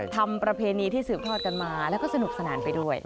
ประเพณีที่สืบทอดกันมาแล้วก็สนุกสนานไปด้วย